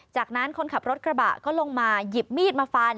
จากนั้นคนขับรถกระบะก็ลงมาหยิบมีดมาฟัน